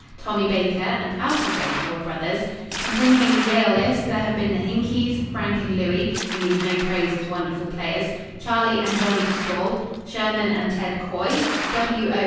Tommy Baker and Alfred Baker were brothers. Continuing the Yale list, there have been the Hinkeys, Frank and Louis, who need no praise as wonderful players Charlie and Johnny de Saulles Sherman and "Ted" Coy W. O.